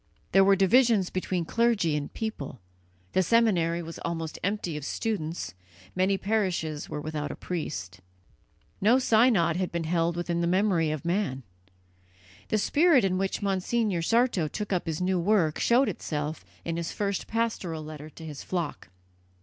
There were divisions between clergy and people; the seminary was almost empty of students; many parishes were without a priest; no synod had been held within the memory of man. The spirit in which Monsignor Sarto took up his new work showed itself in his first pastoral letter to his flock.